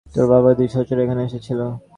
তোর বাবার দুই সহচর এখানে এসেছিল।